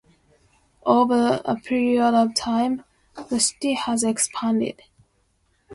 Over a period of time, the city has expanded.